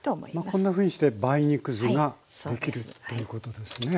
こんなふうにして梅肉酢ができるということですね。